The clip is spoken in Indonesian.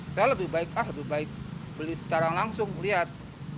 saya lebih baik ah lebih baik beli secara langsung lihat